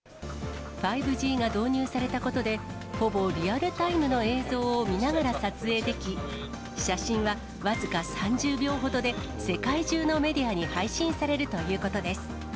５Ｇが導入されたことで、ほぼリアルタイムの映像を見ながら撮影でき、写真は僅か３０秒ほどで、世界中のメディアに配信されるということです。